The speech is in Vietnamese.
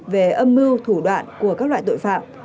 về âm mưu thủ đoạn của các loại tội phạm